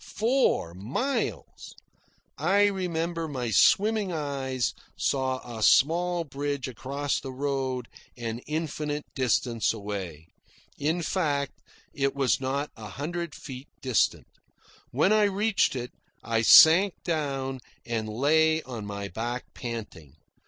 Four miles! I remember my swimming eyes saw a small bridge across the road an infinite distance away. In fact, it was not a hundred feet distant. When I reached it, I sank down and lay on my back panting.